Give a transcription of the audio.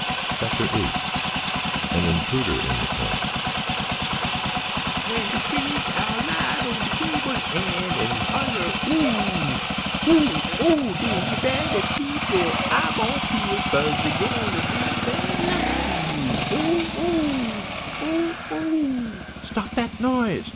CHAPTER VIII AN INTRUDER IN THE CAMP "W'en de screech owl light on de gable en' En holler, Whoo oo! oh oh! Den you bettah keep yo' eyeball peel, Kase dey bring bad luck t' yo', Oh oh! oh oh!" "Stop that noise!"